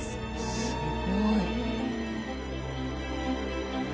すごい。